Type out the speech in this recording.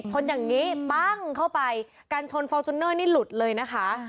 ชนอย่างนี้ปั้งเข้าไปกันชนฟอร์จูเนอร์นี่หลุดเลยนะคะ